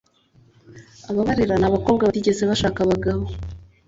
Ababarera ni abakobwa batigeze bashaka abagabo